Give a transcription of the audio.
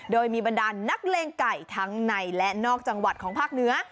โดยมีบรรดานนักเลงไก่ทั้งในและนอกจังหวัดของภาคเหนือ